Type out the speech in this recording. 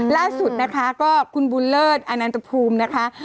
ล่าสุดนะคะก็คุณบุญเลิศอนันตภูมินะคะ